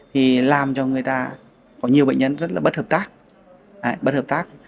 thì làm cho người ta có nhiều bệnh nhân rất là bất hợp tác